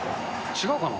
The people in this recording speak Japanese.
違うかな。